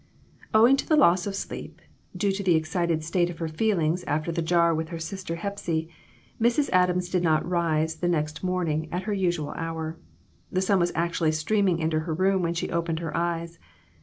OWING to the loss of sleep, due to the excited state of her feelings after the jar with her sister Hepsy, Mrs. Adams did not rise the next morning at her usual hour. The sun was actually streaming into her room when she opened her eyes.